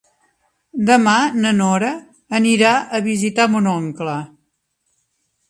Demà na Nora anirà a visitar mon oncle.